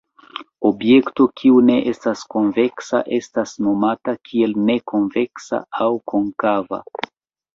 Objekto kiu ne estas konveksa estas nomata kiel ne konveksa aŭ konkava.